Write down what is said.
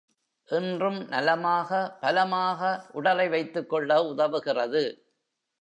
என்றும் நலமாக, பலமாக உடலை வைத்துக் கொள்ள உதவுகிறது.